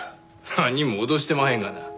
何も脅してまへんがな。